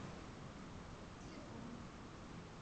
ТЕЛЕФОН